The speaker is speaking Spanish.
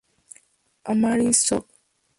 Amaryllis Soc".